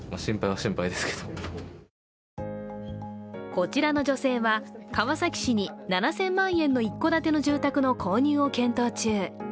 こちらの女性は、川崎市に７０００万円の一戸建ての住宅の購入を検討中。